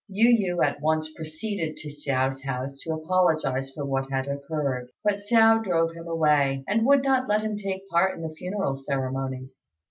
Yu yü at once proceeded to Hsiao's house to apologize for what had occurred; but Hsiao drove him away, and would not let him take part in the funeral ceremonies.